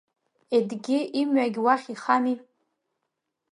Едгьы имҩагь уахь ихами…